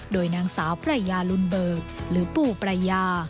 โดยนางสาวปรายยาลุนเบิกหรือปู่ประยา